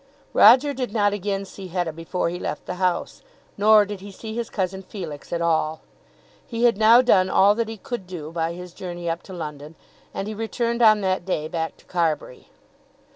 Roger did not again see Hetta before he left the house, nor did he see his cousin Felix at all. He had now done all that he could do by his journey up to London, and he returned on that day back to Carbury.